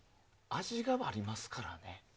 味がありますからね。